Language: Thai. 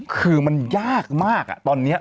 คือมันยากมากตอนนี้